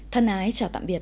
thân ái chào tạm biệt